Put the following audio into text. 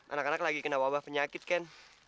anak anak lagi kena wabah penyakit kan